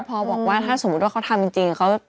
พอบอกว่าถ้าสมมุติว่าเขาทำจริง